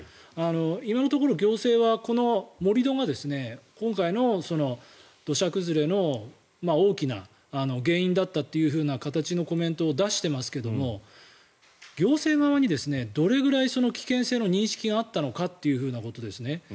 今のところ行政はこの盛り土が今回の土砂崩れの大きな原因だったという形のコメントを出していますけども行政側に、どれぐらい危険性の認識があったのかということですね。